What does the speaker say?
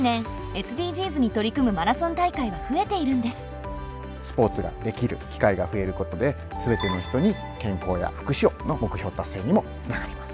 近年スポーツができる機会が増えることで「すべての人に健康や福祉を」の目標達成にもつながります。